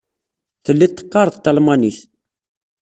Telliḍ teqqareḍ talmanit.